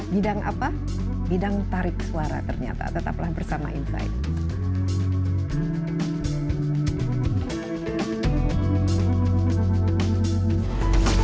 bidang apa bidang tarik suara ternyata tetaplah bersama insight